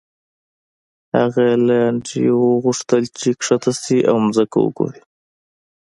هغه له انډریو وغوښتل چې ښکته شي او ځمکه وګوري